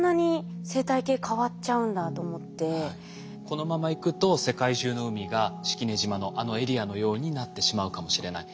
このままいくと世界中の海が式根島のあのエリアのようになってしまうかもしれない。